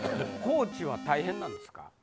コーチは大変なんですか？